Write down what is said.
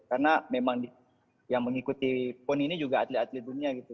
karena memang yang mengikuti pony ini juga atlet atlet dunia gitu